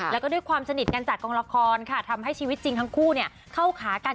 แล้วก็ด้วยความสนิทกันจากกองละครค่ะทำให้ชีวิตจริงทั้งคู่เข้าขากัน